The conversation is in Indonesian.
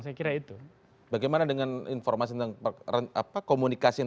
saya kira itu bagaimana dengan informasi tentang komunikasi yang